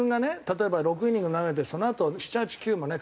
例えば６イニング投げてそのあと７８９もね